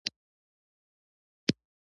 نه یې د اسلام آباد له پته او آدرس څخه کوو.